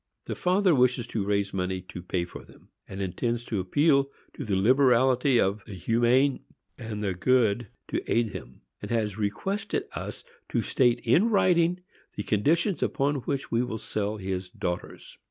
The father wishes to raise money to pay for them; and intends to appeal to the liberality of the humane and the good to aid him, and has requested us to state in writing the conditions upon which we will sell his daughters.